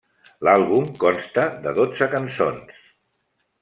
L'àlbum consta de dotze cançons.